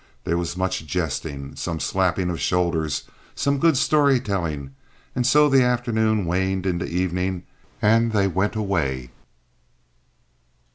There was much jesting, some slappings of shoulders, some good story telling, and so the afternoon waned into evening, and they went away.